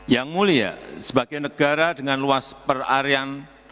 yang mulia sebagai negara dengan luas perarian